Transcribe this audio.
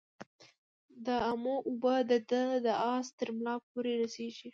د امو اوبه د ده د آس ترملا پوري رسیږي.